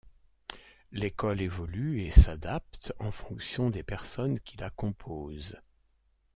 L’école évolue et s’adapte en fonction des personnes qui la composent.